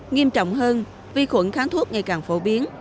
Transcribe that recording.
nghiêm trọng hơn vi khuẩn kháng thuốc ngày càng phổ biến